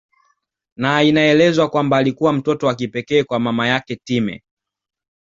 Na inaelezwa kwamba alikuwa mtoto wa kipekee kwa mama yake Time